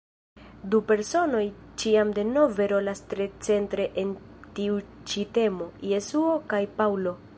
Du personoj ĉiam denove rolas tre centre en tiu ĉi temo: Jesuo kaj Paŭlo.